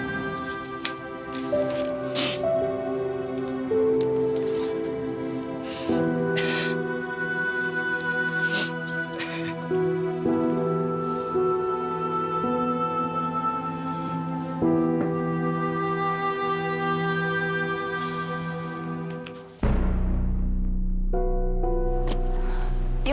terima kasih nek